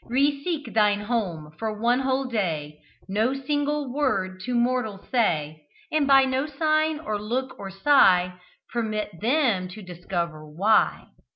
Reseek thine home for one whole day No single word to mortal say: And by no sign or look or sigh Permit them to discover why!